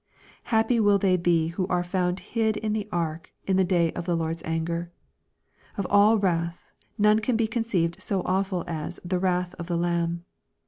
Happy will they be who are found hid in the ark in the day of the Lord's anger ! Of all wrath, none can be conceived so awful as '* the wrath of the Lamb."